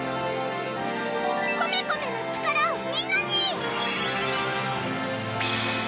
コメコメの力をみんなに！